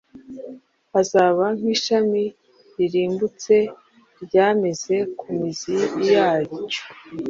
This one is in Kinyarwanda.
azaba nk’ishami rirumbutse ryameze ku mizi yacyo.”